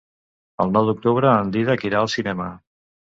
El nou d'octubre en Dídac irà al cinema.